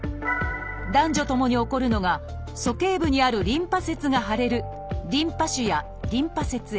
男女ともに起こるのが鼠径部にあるリンパ節が腫れる「リンパ腫」や「リンパ節炎」。